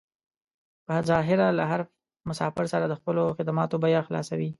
په ظاهره له هر مسافر سره د خپلو خدماتو بيه خلاصوي.